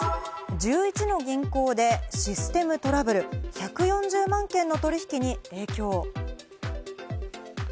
１１の銀行でシステムトラブル、１４０万件の取引に影響。